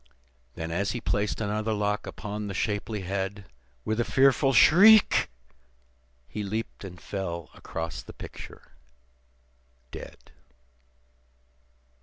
Then, as he placed another lock upon the shapely head, With a fearful shriek, he leaped and fell across the picture dead.